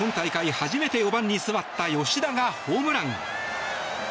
初めて４番に座った吉田がホームラン。